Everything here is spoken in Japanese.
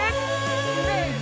せの！